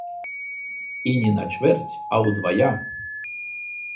І не на чвэрць, а ўдвая!